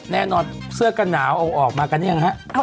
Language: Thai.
แน่นอนเสื้อกันหนาวเอาออกมากันไม๊ครับ